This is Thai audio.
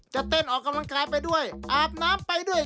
จะเต้นออกกำลังกายไปด้วยอาบน้ำไปด้วย